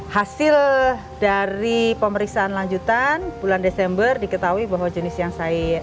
hasil dari pemeriksaan lanjutan bulan desember diketahui bahwa jenis yang cair